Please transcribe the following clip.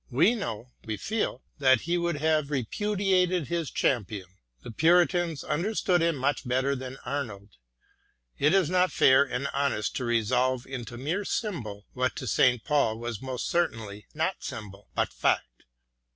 We know, 'vfejeel that he would have repudiated his champion : the Puritans understood him much better than Arnold. It is not fair and honest to resolve into mere symbol what to St. Paul was most certainly not symbol, but fact.